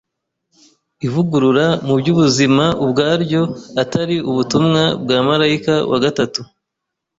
ivugurura mu by’ubuzima ubwaryo atari ubutumwa bwa marayika wa gatatu